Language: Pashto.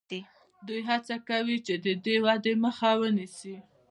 دوی هڅه کوي چې د دې ودې مخه ونیسي.